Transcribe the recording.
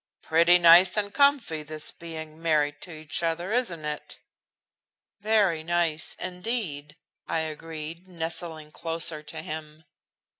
"Pretty nice and comfy this being married to each other, isn't it?" "Very nice, indeed," I agreed, nestling closer to him.